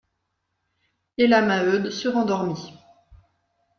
Et la Maheude se rendormit.